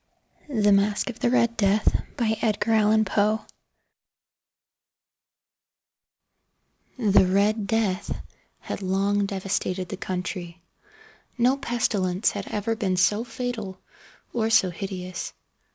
The Masque of the Red Death by Edgar Allan Poe The "Red Death" had long devastated the country. No pestilence had ever been so fatal, or so hideous.